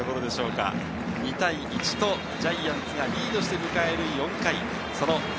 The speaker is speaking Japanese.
２対１とジャイアンツがリードして迎える４回。